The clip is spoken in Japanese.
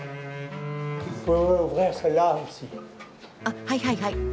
あっはいはいはい。